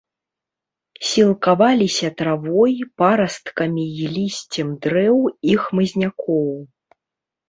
Сілкаваліся травой, парасткамі і лісцем дрэў і хмызнякоў.